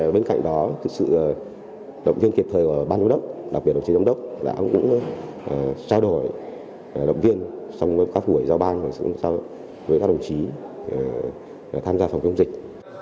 bên cạnh đó thực sự động viên kịp thời của ban đối đốc đặc biệt đồng chí đồng đốc đã cũng trao đổi động viên xong các buổi giao ban xong các đồng chí tham gia phòng chống dịch